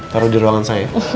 taruh di ruangan saya